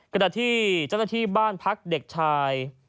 ขณะที่เจ้าหน้าที่บ้านพักเด็กชาย